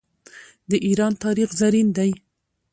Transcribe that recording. د ایران تاریخ زرین دی.